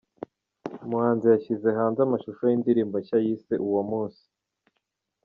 Umuhanzi yashyize hanze amashusho y’indirimbo nshya yise Uwo Munsi